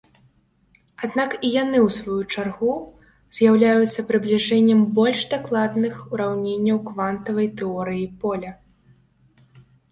Аднак, і яны ў сваю чаргу з'яўляюцца прыбліжэннем больш дакладных ураўненняў квантавай тэорыі поля.